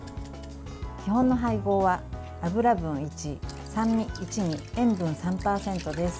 基本の配合は油分１、酸味１に塩分３％です。